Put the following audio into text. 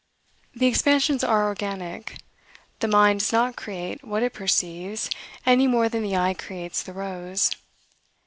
The expansions are organic. The mind does not create what it perceives, any more than the eye creates the rose.